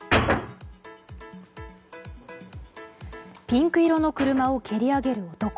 ピンク色の車を蹴り上げる男。